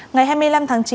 ngày hai mươi năm tháng chín